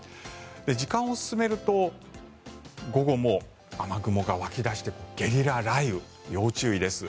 時間を進めると午後も雨雲が湧き出してゲリラ雷雨要注意です。